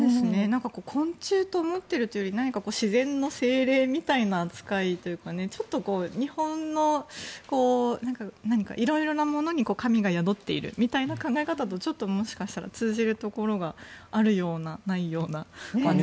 昆虫と思っているというより何か自然の精霊のような扱いというか日本のいろいろなものに神が宿っているみたいな考え方ともしかしたら通じるところがあるようなないような感じですね。